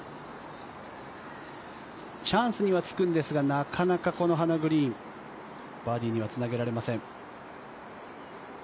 チャンスにはつくんですがなかなかハナ・グリーンバーディーにはつなげられません。